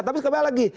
tapi kembali lagi